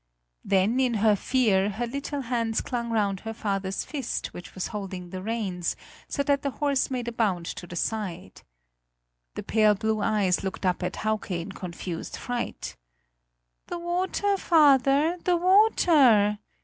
Then, in her fear, her little hands clung round her father's fist which was holding the reins, so that the horse made a bound to the side. The pale blue eyes looked up at Hauke in confused fright: "The water, father! The water!"